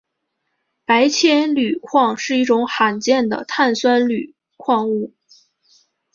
白铅铝矿是一种罕见的碳酸铝矿物。